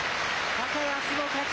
高安の勝ち。